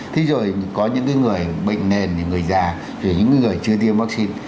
thế rồi có những người bệnh nền người già những người chưa tiêm vaccine